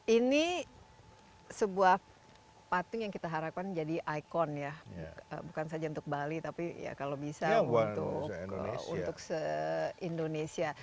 ini sebuah patung yang kita harapkan jadi ikon ya bukan saja untuk bali tapi ya kalau bisa untuk se indonesia